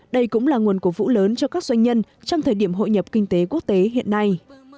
đây cũng là nguồn cổ vũ lớn cho các doanh nhân trong thời điểm hội nhập kinh tế quốc tế hiện nay